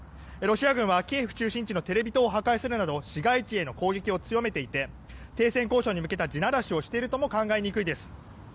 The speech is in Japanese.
ロシア軍は、キエフ中心地のテレビ塔を破壊するなど市街地への攻撃を強めていて停戦交渉に向けた地ならしをしているとも考えにくいです。